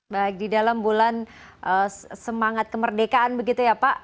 baik di dalam bulan semangat kemerdekaan begitu ya pak